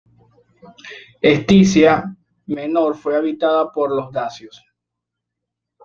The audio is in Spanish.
Escitia Menor fue habitada por los dacios.